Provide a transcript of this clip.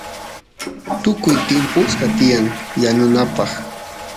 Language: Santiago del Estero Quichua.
tukuy timpusqa tiyan yanunapaq